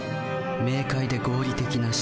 明快で合理的な思考。